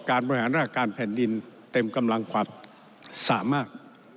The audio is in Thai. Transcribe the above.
การบริหารราชการแผ่นดินเต็มกำลังความสามารถ